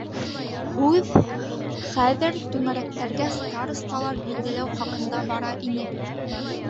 Һүҙ хәҙер түңәрәктәргә старосталар билдәләү хаҡында бара ине.